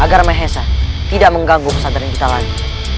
agar maesah tidak mengganggu pesantren kita lagi